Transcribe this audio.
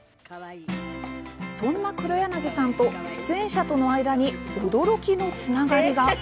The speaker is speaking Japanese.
そんな黒柳さんと出演者との間に驚きのつながりが。